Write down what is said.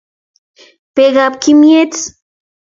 Bek ab kimyet